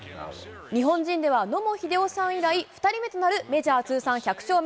日本人では野茂英雄さん以来２人目となる、メジャー通算１００勝目。